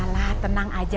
udah lah tenang aja